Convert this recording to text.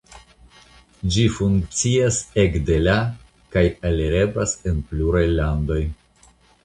Ĝi funkcias ekde la kaj alireblas en pluraj landoj.